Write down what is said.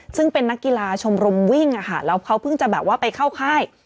ซึ่งเป็นนักกีฬาชมรมวิ่งแล้วเขาเพิ่งจะแบบว่าไปเข้าค่าย